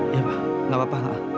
iya pak nggak apa apa pak